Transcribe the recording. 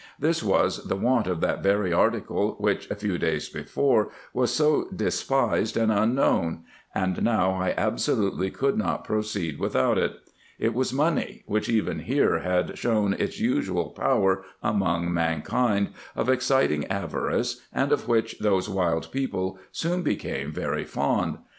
This was the want of that very article which, a few days before, was so despised and unknown ; and now I absolutely could not proceed without it. It was money, which, even here, had shown its usual power among mankind, of exciting avarice, and of which those wild people soon became very fond.